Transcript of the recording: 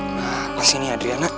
nah apa sih ini adriana